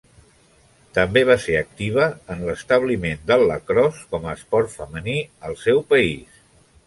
També va ser activa en l'establiment del lacrosse com a esport femení al seu país.